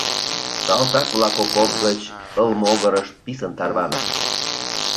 Салтак-влак окоп гыч ыл могырыш писын тарванышт.